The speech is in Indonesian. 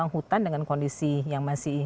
hutan dengan kondisi yang masih